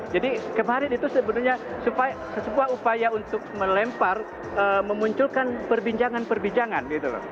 jadi kemarin itu sebenarnya sebuah upaya untuk melempar memunculkan perbincangan perbincangan